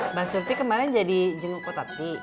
mbak surti kemarin jadi jenguk kutati